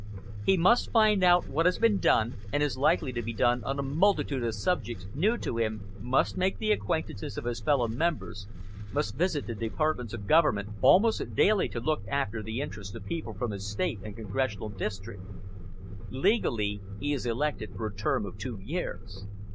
He must find out what has been done and is likely to be done on a multitude of subjects new to him, must make the acquaintance of his fellow members, must visit the departments of government almost daily to look after the interests of people from his State and congressional district. Legally he is elected for a term of two years.